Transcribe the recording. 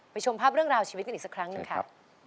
ชมภาพเรื่องราวชีวิตกันอีกสักครั้งหนึ่งค่ะ